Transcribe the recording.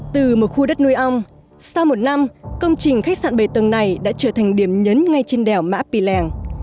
từ một khu đất nuôi ong sau một năm công trình khách sạn bảy tầng này đã trở thành điểm nhấn ngay trên đèo mã pì lèng